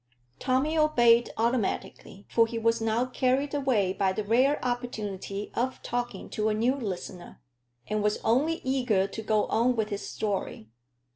Tommy obeyed automatically, for he was now carried away by the rare opportunity of talking to a new listener, and was only eager to go on with his story.